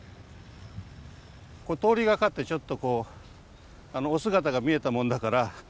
ここ通りがかってちょっとこうお姿が見えたもんだから。